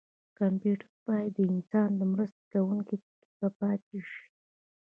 کمپیوټر باید د انسان د مرسته کوونکي په توګه پاتې شي.